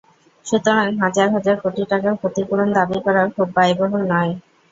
সুতরাং, হাজার হাজার কোটি টাকার ক্ষতিপূরণ দাবি করা খুব ব্যয়বহুল নয়।